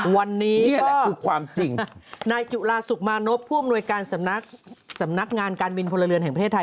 วันนี้นี่แหละคือความจริงนายจุลาสุขมานพผู้อำนวยการสำนักสำนักงานการบินพลเรือนแห่งประเทศไทย